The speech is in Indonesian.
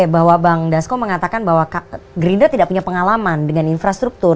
bahwa bang dasko mengatakan bahwa gerindra tidak punya pengalaman dengan infrastruktur